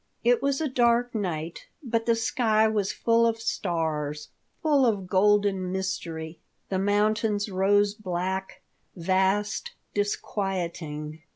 It was a dark night, but the sky was full of stars, full of golden mystery. The mountains rose black, vast, disquieting.